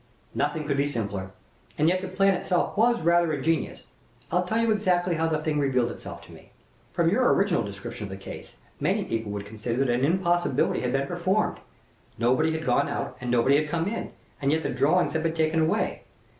"Nothing could be simpler; and yet the plan was rather ingenious. I'll tell you exactly how the thing revealed itself to me. From your original description of the case many people would consider that an impossibility had been performed. Nobody had gone out and nobody had come in, and yet the drawings had been taken away.